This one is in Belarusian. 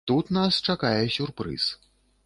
Тут нас чакае сюрпрыз.